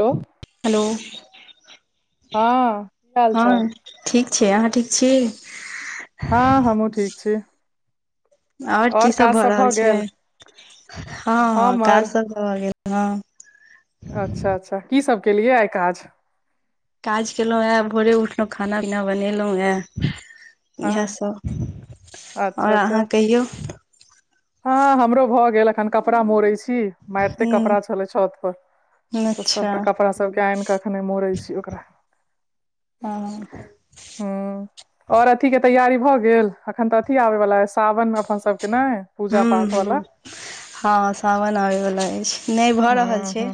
Hello hello हँ की हाल हँ चाल ठीक छीय अहाँ ठीक छी हँ हमूँ ठीक छी ओर और की सब काज भऽ रहल छै गेल हँ हँ हमर काज सब तऽ भऽ गेल हँ अच्छा अच्छा की सब केलियै आइ काज काज कयेलो हे भोरे उठलहुँ खाना पीना बनेलो हे इएहे हँ सब ओर अच्छा अच्छा अहाँ कहियौ हँ हमरो भऽ गेल अखन कपड़ा मोड़ै छी मारिते ह कपड़ा छलै छत पर तऽ अच्छा सबटा कपड़ा सबके आएन कऽ एखने मोड़ै छी ओकरा हँ हूँ और अथी के तैयारी भऽ गेल अखन तऽ अथी आबे वाला सावन अपन सबके ने हू पूजा पाठ हू वाला हँ सावन आब वला ऐछ नय भऽ हूँ रहल छै हूँ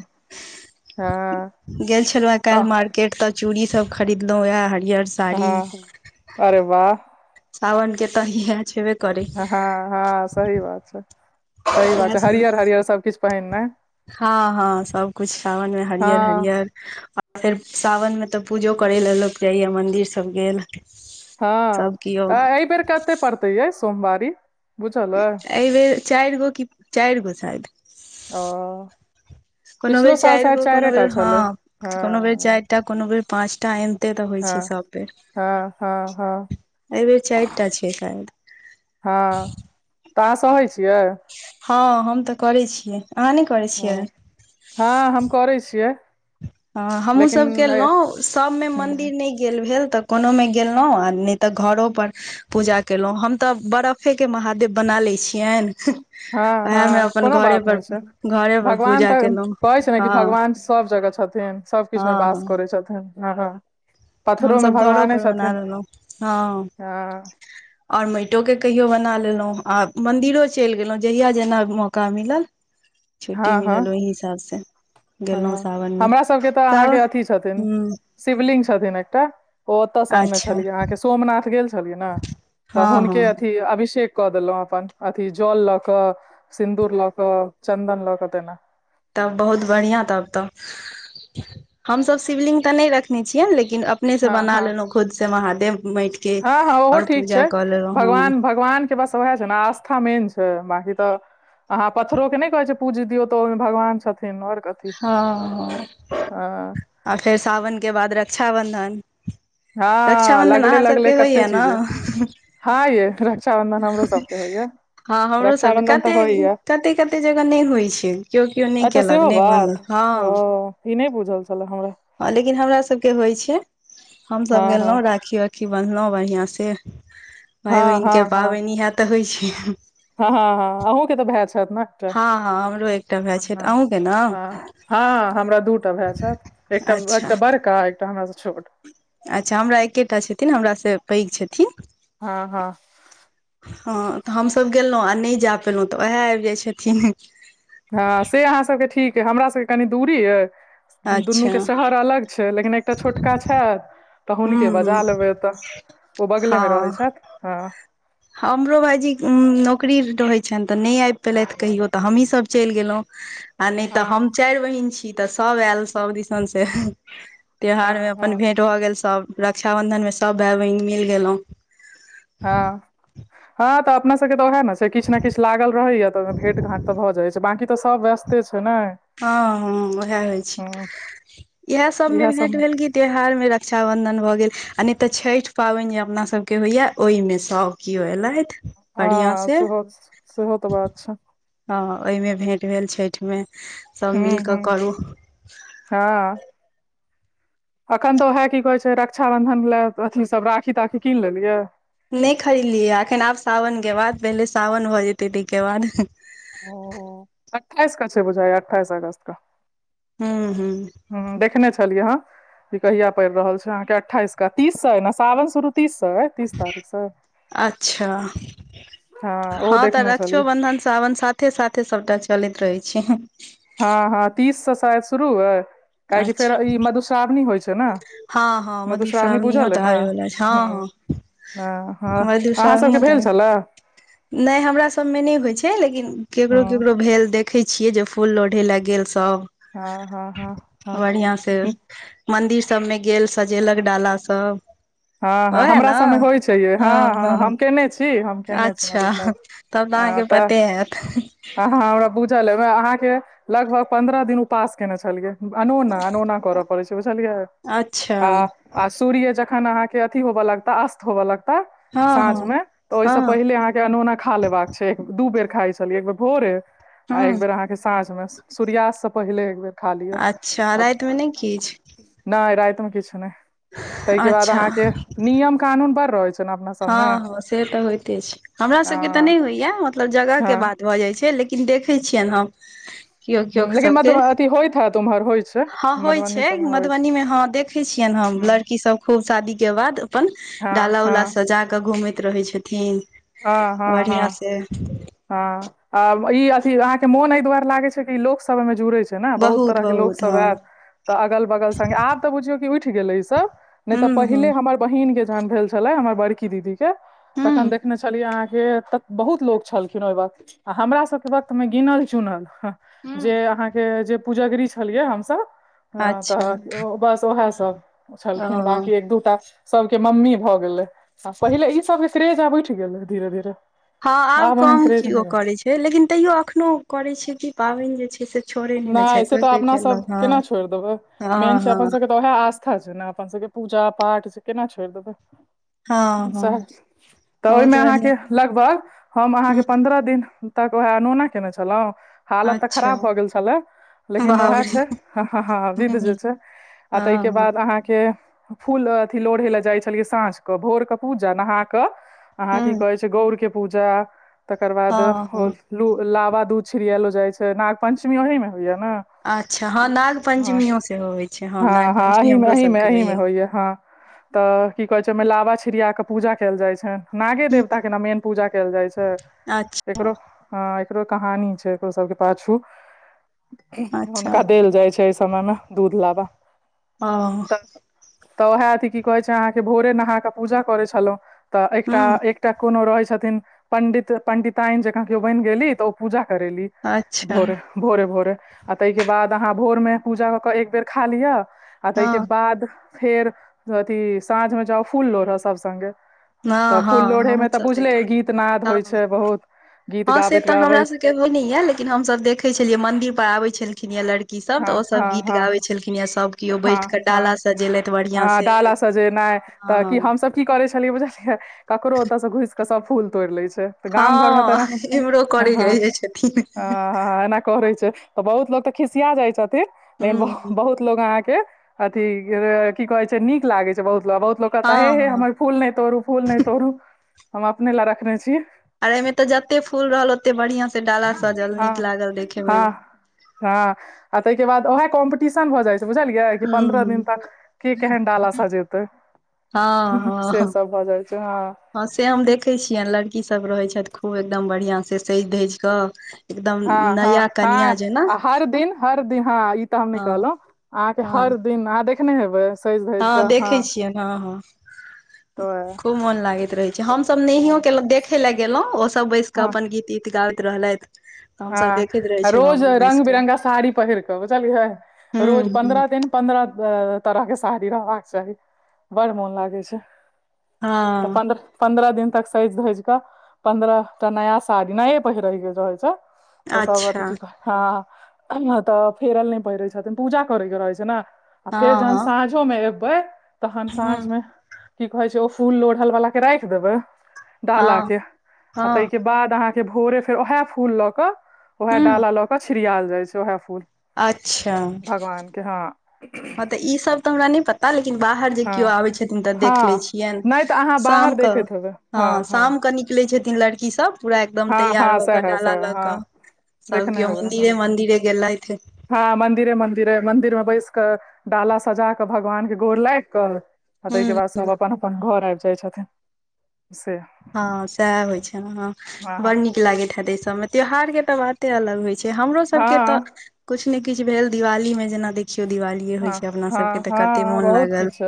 हँ गेल छलो या तऽ काल्ह मार्केट ते चूड़ी सब खरीदलो या हरियर साड़ी हँ अरे वाह सावन के तऽ इहे छेबे करै हँ हँ सही बात छै सही बात इएह छै सब हरियर हरियर सबकिछ पहिनने हँ हँ सबकुछ सावन में हँ हरियर हरियर आ फेर सावन मे तऽ पूजो करय लऽ लोक जाइया मंदिर सब गेल हँ सब कियो तऽ एहि बेेर कते पड़तै ये सोमवारी बुझल अ एहिबेर चारि गो कि चारि गो शायद ओ कोनो पिछलो बेर साल चारि शायद गो चाइरे कोनो टा बेर हँ छलै हँ कोनो बेर चारिटा कोनो बेर पाँचटा टाइम ते तऽ होइ हँ छै सब बेेर हँ हँ हँ एहि बेर चारिटा छै शायद हँ तऽ अहाँ सहै छियै हँ हम तऽ करैत छियै अहाँ नहि करैत छियै हँ हँ हम करै छियै हँ हमहहुँ लेकिन सब ए केलहुँ सबमे हूँ मंदिर नहि गेल भेल तऽ कोनो मे गेलहुँं आ नहि तऽ घरो पर पूजा कयेलहुँ हम तऽ बरफेके महादेव बना लैत छियनि हँ ओएह मे हँ अपन कोनो घरे बात पर नहि छै घरे पर भगवान पूजा तऽ केलहुँ कहै छै ने कि हँ भगवान सब जगह छथिन सब किछु मे हँ हँ वास करै छथिन हँ हँ तऽ पत्थरों में हमसभ घरो भगवाने पर बना छथिन लेलहुँ हँ आओर माइटो के कहियो बना लेलहुँ आ मन्दिरो चलि गेलहुँ जहिया जेना मौका मिलल [inaudible] छुट्टी हँ मिलल ओहि हिसाब से गेलहुँ हँ सावन मे हमरा सभके तऽ अहाँके सावन अथथि छथिन ह शिवलिंग छथिन एकटा ओ ओतऽ सनने अच्छा छलियै अहाँके सोमनाथ गेल छलियै ने तऽ हँ हुनके हँ अथी अभिषेक कऽ देलहुं अपन अथी जल लऽ कऽ सिन्दूर लऽ के चन्दन लऽ कऽ तेना तब बहुत बढ़िआँ तब तऽ हमसभ शिवलिंग तऽ नहि रखने छियै लेकिन अपनेसँ हँ बना हँ लेलहुँ खुद से महादेव माटि हँ हँ ओहो ठीक छै हम भगवान भ भगवान के बस उएह छै ने आस्था मेन छै बाकी तऽ अहाँ पत्थरो के नहि कहे छै पूज दियौ तो ओहिमे भगवान छथिन और कऽ हँ आ फेर साावनके बाद रक्षाबन्धन हँ लगले लगले कते ने चीज हँ ये रक्षा बंदन हमरो सबके होइए हँ हमरोसभके कतेक कतेक कतेक जगह नहि होइत छै केओ केओ नहि अच्छा केलक सेहो नहि बात बनलक हँ ओ ई नहि बुझल छले हमरा हँ लेकिन हमरा सब के होइ छै हम सब हँ हँ गेलहुं राखी राकी बन्हलहुँ बढ़िआँ से भाई हँ हँ बहिनके हँ पाबनि इएह तऽ होइ छै हँ हँ हँ अहूँके तऽ भाई छन हँ हँ हमरो एकटा भाय छथि ने अहूँके ने हँ हमरा दूटा भाई छै एकटा अच्छा एकटा बड़का एकटा हमरा छोट अच्छा हमरा एकेटा छथिन हमरा से पैघ छथिन हँ हँ हँ तऽ हमसभ गेलहुँ आ नहि जा पयलहुँ तऽ उएह आबि जाइत छथिन हँ से अहाँ सभके ठीक अइ हमरा सभके कनि दूरी यइ दुनू अच्छा के हूँ शहर अलग छै लेकिन एकटा छोटका छथि तऽ हुनके हूँ बजा लेबैतऽ ओ बगले मे रहै हँ छथ हँ हमरो भाइजी नौकरी रहै छैन तऽ नहि आबि पेलथि कहियो तऽ हमही सभ चलि गेलहुँ [unintelligible] आ नै तऽ हम हँ चैर बहिन छी तऽ सब ऐल सब दिसन से त्योहार में हँ हँ अपन भेंट भऽ गेल सब रक्षााबंधन में सब भाई बहिन मिल गेलो हऽ हँ तऽ अपना सब कऽ उहै न छै किछ ने किछ लागल रहैया तऽ भेट घांट तऽ भऽ जाइ छै बाकी तऽ सब व्यस छै नै हँ हँ उहै होइ छी [inaudible] इहै सब मे भेंट भेल की त्यौहार में र रक्षाबधन भऽ गेल आ नै तऽ छैठ पाबैन जे अपना सब केँ होइ या ओइ में सभ केओ ऐलैथ हँ सेहो सेहो तऽ बात छै हऽ ओइमे भेंट भेल छैठ में हू हू [inaudible] हँ अखन तऽ ओहै की कहे छै रक्षााबंधन लै अथी सब राखी ताखी कीन लेलियै नै खरीदलियै एखन आब सावन केँ बाद पहिले सावन भऽ जेतै तैय केँ बाद ओ हो अठाइस कऽ छै बुझा अठाइस अगस्त कऽ [unintelligible] हु देखने छलियै हँ ई कहिया पड़ रहल छै अहाँकेँ अठाईस क तीस स यै न सावन शुरू तीस यऽ तीस तारीख स [inaudible] अच्छा हँ तऽ रक्षोबंधन सावन साथे साथे सभटा चलैत रहै छै हँ हँ तीस से शायद शुरू ए काहेकि फेर अच्छा ई मधुश्रावणी होइ छै तऽ न हँ हँ [inaudible] मधुश्रावनी बूझा मधुश्रावणियो ले तऽ न आबे वाला छै हु हँ हँ हऽ हऽ अहाँ सब केँ भेल छले नै हमरा सब में नै होइ छै लेकिन केकरो केकरो हुँ भेल देखै छियै जे फूल लोढ़े लऽ गेल सब हँ हँ हँ हँ [inaudible] बढ़िया से मंदिर सब में गेल सजेलक डाला सब हँ हँ हमरा सब मे होइ छैे हँ हँ हम केने छी हम केने छी अच्छा मधुश्रावणी तब तऽ अहाँकेँ पते हैत हँ अहाँ हमरा बुझल ए अहाँकेँ लगभग पंन्द्रह दिन उपास केने छलियै अनोना अनोना कर पड़ै छै बुझलियै अच्छा [inaudible] आ आ सू्र्य जखन अहाँ केँ अथी होब लगता अस्त होब लगता हँ साँझ हँ में तऽ ओइ स हँ पहिले अहाँकेँ अनोना खा लेबाक छै दू बेर खाइ छलियै एक बेर भोरे आ हँ एकबेर अहाँकेँ साँझ में सूर्यास्त स पहिले एक बेर खा लिय [inaudible] अच्छा रातिमे नहि किछु नै राइत में किछ नै तइ [inaudible] के बाद अच्छा आहाँ नियम कानून बर रहै छै सबमे हँ से तऽ होयइते छै हमरा आ सब केँ तऽ नै होय मतलब जगह केँ हँ बात भऽ जाइ छै लेकिन देखै छियनि हम केओ केओ हु लेकिन मधु सभके अथि होइत हैत ओमहर होइ छै हँ होइ मधुबनी छै सबमे होइ छै मधुबनी में हऽ देखै छियनि हम हँ लड़की सब खूब शादी केँ बाद अपन हँ डाला हँ उला सजा कऽ घूमैत रहै छथिन हँ हँ हँ बढ़िया से हँ आ ई अथी अहाँ केँ मोन ऐ दुआरे लागे छै कि लोक सब ऐ मे जुड़ै छै जैना बहुत तरह केँ लोक सब ऐत तऽ अगल बगल संग आब तऽ बुझियो कि उठ गेले ई सब नै तऽ हूं पहिले हमर बहिन केँ जहन भेल छलै हमर बड़की दीदी केँ तखन हूं देखने छलियै अहाँ केँ बहुत लोक छलखिन ओइ वक्त आ हमरा सब केँ वक्त में गिनल चुनल हऽ हूं जे अहाँ केँ जे पूजेगिरी छलियै हमसब हँ अच्छा तऽ बस उहै सब छलखिन ओ बाँकी एक दूटा सबके मम्मी भऽ गेलै पहिले ई सब केँ क्रेज आब उइठ गेलै धीरे - धीरे हँ आब एहन कम क्रेज नहि कियो रहल करै छै लेकिन तैयो एखनोह करै छै कि पाबैन जे छै से छोड़े नहि ने छै नय सेे कोइ तऽ कोइ अपना सब केलक हँ केना छोइड़ देबै हँ मेन छै हँ अपन सब केँ ओहै आस्था छै नऽ अपन सब केँ पूजा पाठ से केना छोइड़ देबै हँ हँ सह तऽ बहुत ओहिमे बढ़िआँ अहाँकेँ लगभग हम अहाँकेँ हूं पन्द्रह दिन तक वहै अनोना केने छलौ हालत तऽ अच्छा खराब भऽ गेल छले लेकिन बाप औहै रे छै हँ हँ हँ हूं विध जे हँ छै आ ताहि हँ केँ हूं बाद अहाँकेँ फूल अथि लोढै लऽ जाइ छलियै साँझ कऽ भोर केँ पूजा नहा कऽ अहाँ की कहै छै गौड़ केँ पूजा तकर बाद हँ हँ लू लावा दूध छिड़ऐलो जाइ छै नाग पंचमी ओही मे होइय नऽ हँ अच्छा हँ नाग हँ पंचमियो सेहो होइ छै नाग हँ पंचमी अहीमे हमरो अहीमे सबके अहीमे होइया होइय हँ तऽ की कहै छै ओहिमे लाबा छिड़िया कऽ पूजा कैल जाइ छै नागे हूँ देवता केँ मेन पूजा कैल जाइ छै अच्छा एकरो हँ एकरो कहानी छै एकरो सब केँ पाछू अच्छा हुनका देल जाइ छै एहि समयमे दूध लाबा हँ तऽ तऽ ओहा अथि की कहै छै अहाँकेँ भोरे नहा कऽ पूजा करै छलहुँ तऽ एकटा हूँ एकटा कोनो रहै छथिन पंडित पंडितायन जकाँ केओ बैन गेली तऽ ओ पूजा करेली अच्छा भोरे भोरे भोरे आ ताहि केँ बाद अहाँ भोरमे पूजा कऽ कऽ एकबेर खा लिअ आ ताहि केँ हँ बाद फेर अथि साँझ मे जाउ फूल लोड़हऽ सब संगे तऽ हँ हँ फूल लोढ़े हमहुँ मे तऽ सब देख बुझले गीत नद हँ होइ छै बहुत गीत गाबैत गाबैत केने यऽ लेकिन हम सब देखे छलिये मंदिर पर आबे छलखिन यऽ लड़की सब तऽ हँ ओ सब हँ गीत हँ गाबै छलखिन यऽ सब केओ बैठ हँ कऽ हँ डाला सजेलथि बढ़ियां हँ से डालाँ सजेनाय तऽ की हँ हमसब की करै छलियै बुझलियै ककरो ओतऽ सँ घुस कऽ सब फूल तोइड़ लै छै तऽ गाम घरमे तऽ हँ ने इम्हरो हँ करै हँ जाइ जाइ छथिन हँ ऐना करै छै तऽ बहुत लोग तऽ खिसिया जाय छथिन लेकिन हूँ बहुत लोग अहाँक केँ अथी की कहै छै नीक लागै छै बहुत बहुत लोक कहत हेे हँ हे हँ हमर फूल नै तोरू फूल नै तोरू हम अपने लऽ रखने छियै अरे एयमे तऽ जते फूल रहल ओते बढ़िया सँ डाला सजल हँ नीक लागल देखे मे हँ हँ आ ताहि केँ बाद ओहै कॉम्पटीशन भऽ जाइ बुझलियै कि हूं पन्द्रह दिन हूं तक केँ केहेन डाला सजेतै हँ हँ से हँ सब भऽ जाइ छै हँ हँ से हम देखै छियैन लड़की सभ रहै छैथ खूब एकदम बढ़िया से सइज धइज कऽ एकदम हँ हँ नया कनिया हँ जेना आ हर दिन हर दिन हँ ई तऽ हम नय हँ कहलहुँ अहाँकेँ हँ हर दिन अहाँ देखने हेबै सजि हँ धजि कऽ देखै छियनि हँ हँ तऽ खूब मोन लागैत रहे छै हमसब नहियो केलहुँ देखे लऽ गेलहुँ ओ सब बैस कऽ हँ अपन गीत तीत गाबैत रहलैथ हँ रोज रंग बिरंगगा साड़ी पहिर कऽ बुझलियै रोज हूं हूं पन्द्रह दिन पन्द्रह तरह केँ साड़ी रहबाक चाही बड़ मोन लागै छै तऽ हँ पन्द्रह पन्द्रह दिन तक सजि धजि कऽ पन्द्रह टा नया साड़ी नये पहिरै के रहेै छै तऽ सभ अथी अच्छा की कहै हय तब फेरल नय पहिरै छथिन पूजा करयके रहै छै ने आ फेर हँ जहन हँ साँझोमे एबै तहन हूं साँझमे की कहै छै ओ फूल लोढ़ल वालाक के राखि देबै डालाक हँ के आ हँ ताहिके बाद अहाँ के भोरे फेर ओएहे फूल ल के ओएहे हूं डाला ल के छिड़ियाल जाय छै वएहे फूल अच्छा भगवानके हँ हँ तऽ ई सब तऽ हमरा नी पता लेकिन बाहर जे केओ हँ आबै छथिन तऽ देख ले हँ छियनि नहि तऽ अहाँ बाहर शाम के देखैत हेबै हँ शाम क निक निकलै छथिन लड़कीसभ पूरा एकदम हँ तैयार हँ हो क सएह डाला सएह ल हँ कऽ सभ देखने केओ हेबै मंदिरे मंदिरे गेलथि हँ मंदिरे मंदिरे मंदिर मे बैस कऽ डाला सजा कऽ भगवान के गोर लागि कऽ आ तैके हूँ। बाद सभ अपन अपन घर आबि जाइ छथिन से हँ सएह होय छै ने हँ बड़ नीक लागैत हे दे सब मे त्योहार के तऽ बाते अलग होय छै हमरो सबके तऽ हँ कुछ नय किछु भेल दिवाली मे जेना देखियौ दिवाली हँ हँ हँ बहुत किछु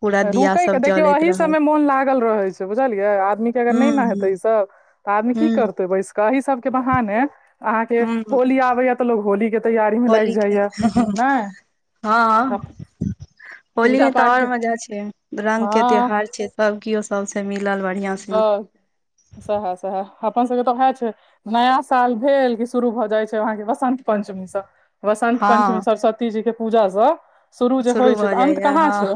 पूरा दिया रुकै के सब देखियौ जलैत अहि रहल सबमे मोन लागल रहै छै बुझलियै आदमीे के अगर नय हूँ ने हेतै हूँ ईसभ तऽ आदमी की हूँ करतै बैस कऽ एहि सभके बहाने अहाँके हूँ होली आबैये तऽ लोग होली के तैयारी मे लागि होली जाइ ये खेल नय हँ होली पूजा मे तऽ पाठ के आओर मजा छै रंग के हँ त्यौहार छै सब कियो सबसे मिलल बढ़ियाँ से सैहे सैहे अपन सबके तऽ वैहे छै नया साल भेल कि शुरू भऽ जाइत छै वहाँके वसन्त पञ्चमीसँ वसंत पंचमी हँ सरस्वती जी के पूजाँ स शुरू जे होइ छै भऽ तऽ अन्त जाइया कहाँ हँ छै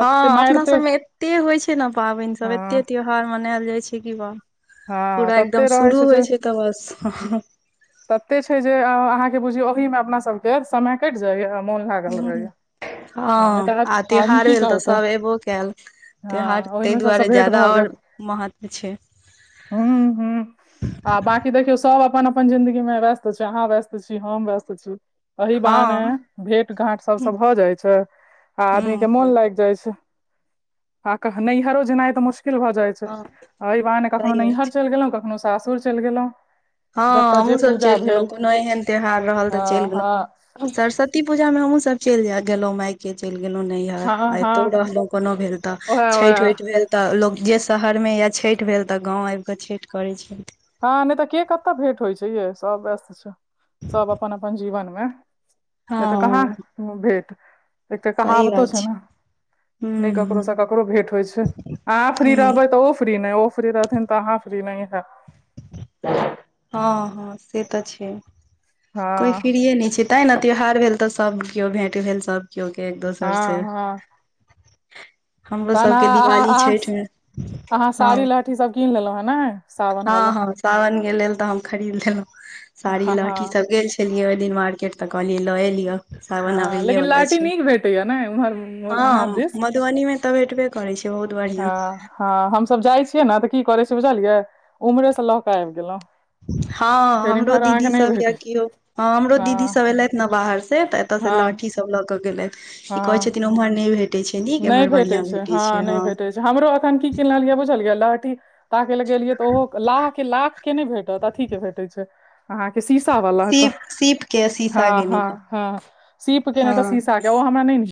कते जे हँ अपना मारिते सबमे एते होइ छै ने पाबनि सब हँ एते त्यौहार मनायल जाइ छै की बा हँ पूरा तते एकदम रहै शुरू जे होइ छै तऽ बस तते छै जे अहाँके बुझियौ ओहि मे अपना सबके समय कटि जाइये आ मोन लागल हुं। रहैये हँ आ त्योहार भेल तऽ करतै सभ एबो कैल हँ त्यौहार ताहि ओहिमे सभसँ दुआरे भेँट जादा आओर महत्व छै हुँ हुँ आ बाँकी देखियौ सब अपन अपन जिन्दगी मे व्यस्त छै अहाँ व्यस्त छी हम व्यस्त छी अही बहाने हँ भेंट घाँट सब स भऽ जाइ छै आ आदमी के हूँ मोन लागि जाइ छै हँ कहि नैहरो जेनाइ तऽ मुश्किल भऽ जाइ छै हँ एहि बाहने कखनो सही बात छै नैहर सऽ चलि गेलौं कखनो सासुर चलि गेलौं हँ हमहुँ सब चलि गेलौं कोनो एहन त्यौहार रहल तऽ हँ चलि गेलौं हँ सरसत ति पूजाँमे हमहुँ सब चलि जाय गेलौं माय के चलि गेलौं नैहर हँ आ हँ एतौ रहलौं कोनो भेल तऽ ओएह छठि ओएह वैठ भेल तऽ लोक जे शहरमे या छैठ भेल तऽ गाँव आएब कऽ छैठ करै छै हँ नय तऽ के कतऽ भेंट होइ छै ये सब व्यस्त छै सब अपन-अपन जीवन मे नय तऽ कहाँ हँ भेट एकटा सही कहावतो बात छै नऽ नय हूँ ककरो हूँ से ककरो भेंट होइ छै अहाँ फ्री रहबै तऽ ओ फ्री नय ओ फ्री रहथिन तऽ अहाँ फ्री नय हैब ह ह से तऽ छैय हँ कोइ फ्रिये नय छै तऽ नय त्यौहार भेल तऽ सभ कियो भेट भेल सभ क्योके एक दोसर से हँ हँ हमरो तहन सबके अहाँ दिवाली छैठ में ह अथि सब कीन लेलौ हन नै ह ह सावन कऽ लेल तऽ हम खरीद लेलो साड़ी हँ लहठी हँ सब गेल छी गेलियै ओय दिन मार्केट तऽ कहलियै लऽ एलियो सावन हँ आबए लेकिन वला लहठी छै नीक भेटैया ने उम्हर हँ अहाँ दिस म धुबनी में तऽ भेटबे करै छै बहुत बढ़िआं ह हमसब जाइ छियै नऽ तऽ की करै छी बुझलियै उम्हरे से लऽ कऽ आएब गेलौं हँ हमरो दीदी सब या भेटैत कियो ह हमरो दीदी सब हँ एलैथ न बाहर से तऽ एतऽ से हँ लहठी स सब ल के गेलैथ ई कहे हँ छथिन उम्हर नय भेटे छै नीक नहि एम्हर भेटै बढ़िया भेटे हँ छै नहि हऽ भेटै हमरो एखन की किनलियै बुझलियै लहठी ताकैयल गेलियै तऽ ओहो लाहके लाख के नय भेटत अथीके भेटै छै अहाँके शीशा वाला कऽ सीप सीप के ह शीशा के ह नहि तऽ ह सीप कऽ नय तऽ हँ शिशा कऽ ओ हमरा नय निक